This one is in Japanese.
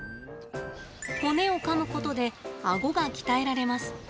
骨をかむことであごが鍛えられます。